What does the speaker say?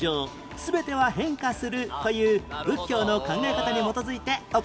「すべては変化する」という仏教の考え方に基づいて行っているそうです